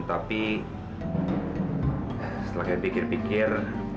tapi setelah saya pikir pikir